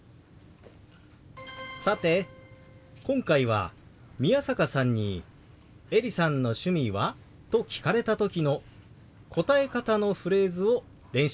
さて今回は宮坂さんに「エリさんの趣味は？」と聞かれた時の答え方のフレーズを練習してきました。